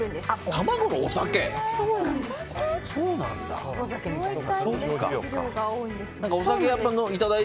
そうなんだ。